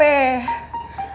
terus hp nya bunyi